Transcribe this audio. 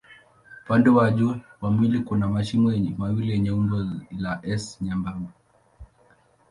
Upande wa juu wa mwili kuna mashimo mawili yenye umbo la S nyembamba.